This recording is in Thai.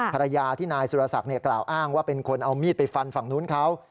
ภรรยาที่นายสุรศักดิ์กล่าวอ้างว่าเป็นคนเอามีดไปฟันฝั่งนู้นเขา